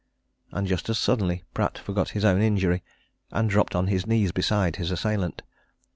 And just as suddenly Pratt forgot his own injury, and dropped on his knees beside his assailant.